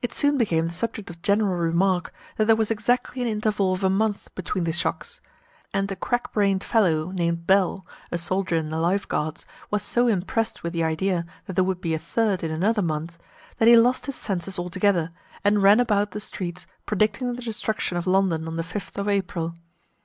It soon became the subject of general remark, that there was exactly an interval of a month between the shocks; and a crack brained fellow, named Bell, a soldier in the Life Guards, was so impressed with the idea that there would be a third in another month, that he lost his senses altogether, and ran about the streets predicting the destruction of London on the 5th of April.